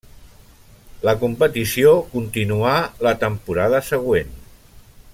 La competició continuà la temporada següent.